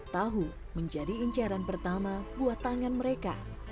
tahu menjadi incaran pertama buat tangan mereka